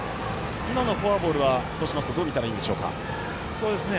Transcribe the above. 今のフォアボールはどう見たらいいんでしょうか。